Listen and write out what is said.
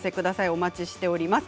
お待ちしております。